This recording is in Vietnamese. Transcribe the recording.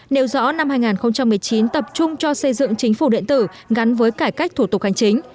nêu rõ năm hai nghìn một mươi chín tập trung cho xây dựng chính phủ điện tử gắn với cải cách thủ tục hành chính